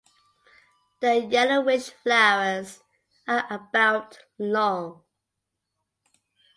The yellowish flowers are about long.